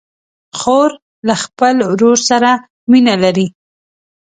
خور له خپل ورور سره مینه لري.